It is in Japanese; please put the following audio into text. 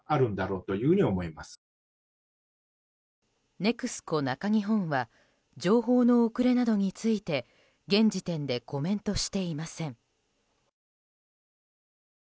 ＮＥＸＣＯ中日本は情報の遅れなどについて現時点でコメントしていません。